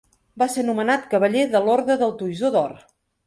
Va ser nomenat cavaller de l'Orde del Toisó d'Or.